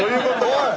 おい！